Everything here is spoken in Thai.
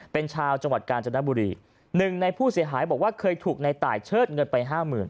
เป็นชาวจังหวัดกาญจนบุรีหนึ่งในผู้เสียหายบอกว่าเคยถูกในตายเชิดเงินไปห้าหมื่น